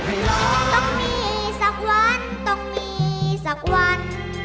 ต้องมีสักวันต้องมีสักวัน